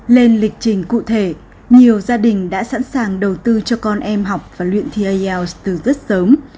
lên lịch trình cụ thể nhiều gia đình đã sẵn sàng đầu tư cho con em học và luyện thi ielts từ rất sớm